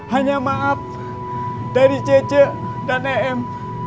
hanya maaf dari cc dan em